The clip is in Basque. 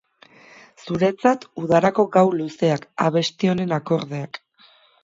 Zuretzat udarako gau luzeak, abesti honen akordeak.